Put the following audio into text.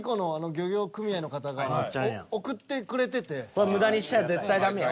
これ無駄にしちゃあ絶対ダメよ。